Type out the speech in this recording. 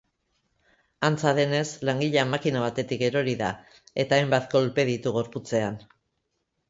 Antza denez, langilea makina batetik erori da eta hainbat kolpe ditu gorputzean.